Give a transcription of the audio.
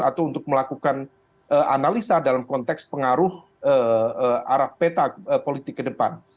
atau untuk melakukan analisa dalam konteks pengaruh arah peta politik ke depan